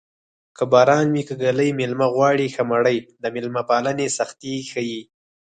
که باران وي که ږلۍ مېلمه غواړي ښه مړۍ د مېلمه پالنې سختي ښيي